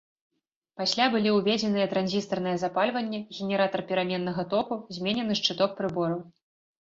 Пасля былі ўведзеныя транзістарнае запальванне, генератар пераменнага току, зменены шчыток прыбораў.